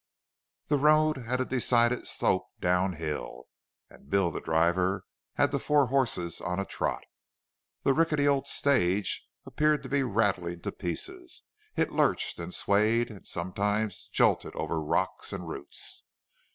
The road had a decided slope down hill, and Bill, the driver, had the four horses on a trot. The rickety old stage appeared to be rattling to pieces. It lurched and swayed, and sometimes jolted over rocks and roots.